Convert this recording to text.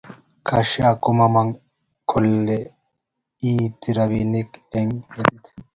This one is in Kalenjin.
Cashier komamang kole a iti rabisiek eng metit.